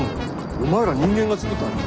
お前ら人間が作ったんだろ。